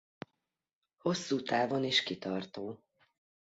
Hosszú távon is kitartó.